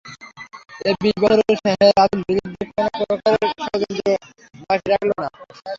এ বিশ বৎসরে সে রাসূলের বিরুদ্ধে কোন প্রকারের ষড়যন্ত্র বাকি রাখল না।